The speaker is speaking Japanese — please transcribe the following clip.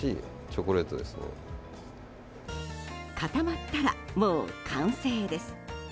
固まったら、もう完成です。